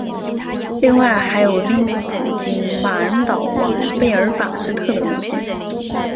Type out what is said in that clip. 另外还有利物浦经马恩岛往贝尔法斯特的路线。